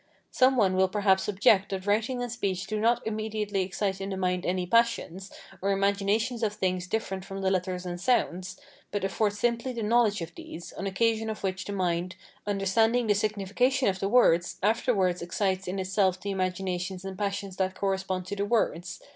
Some one will perhaps object that writing and speech do not immediately excite in the mind any passions, or imaginations of things different from the letters and sounds, but afford simply the knowledge of these, on occasion of which the mind, understanding the signification of the words, afterwards excites in itself the imaginations and passions that correspond to the words.